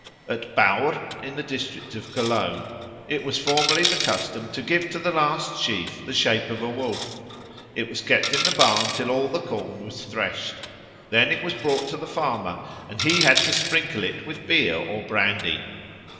At Buir, in the district of Cologne, it was formerly the custom to give to the last sheaf the shape of a wolf. It was kept in the barn till all the corn was threshed. Then it was brought to the farmer and he had to sprinkle it with beer or brandy.